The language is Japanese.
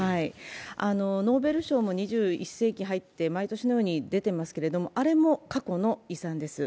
ノーベル賞の２１世紀に入って毎年のように出ていますけども、あれも過去の遺産です。